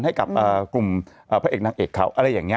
ให้กับกลุ่มพระเอกนางเอกเขาอะไรอย่างนี้